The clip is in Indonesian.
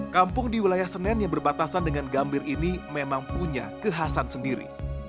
kampung di wilayah senen yang berbatasan dengan gambir ini memang punya kekhasan sendiri